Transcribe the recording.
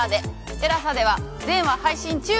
ＴＥＬＡＳＡでは全話配信中。